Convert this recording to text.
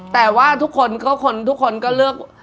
แต่ว่าทุกคนก็เลือก